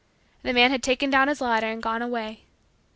The man had taken down his ladder and gone away.